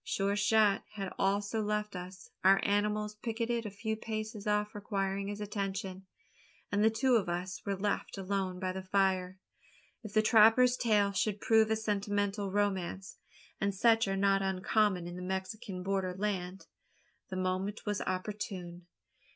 Sure shot had also left us our animals picketed a few paces off requiring his attention and the two of us were left alone by the fire. If the trapper's tale should prove a sentimental romance and such are not uncommon in the Mexican border land the moment was opportune.